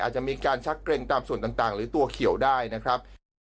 อาจจะมีการชักเกร็งตามส่วนต่างหรือตัวเขียวได้นะครับ